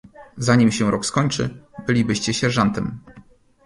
"Zanim się rok skończy, bylibyście sierżantem."